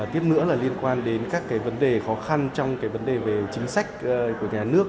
tiếp nữa là liên quan đến các vấn đề khó khăn trong cái vấn đề về chính sách của nhà nước